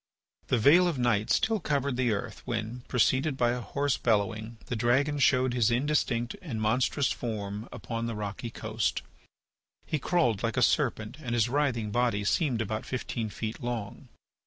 The veil of night still covered the earth when, preceded by a hoarse bellowing, the dragon showed his indistinct and monstrous form upon the rocky coast. He crawled like a serpent and his writhing body seemed about fifteen feet long.